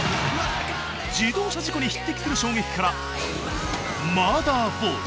自動車事故に匹敵する衝撃から「マーダーボール」